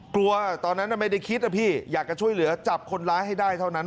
ตอนนั้นไม่ได้คิดนะพี่อยากจะช่วยเหลือจับคนร้ายให้ได้เท่านั้น